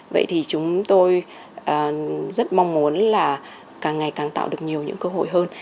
vậy thì chúng tôi rất mong muốn là càng ngày càng tạo được nhiều những cơ hội hơn